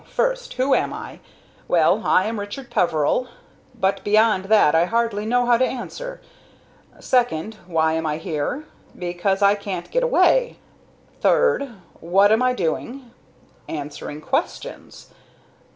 First who am I? Well, I am Richard Peveril; but beyond that I hardly know how to answer. Second why am I here? Because I can't get away. Third what am I doing? Answering questions.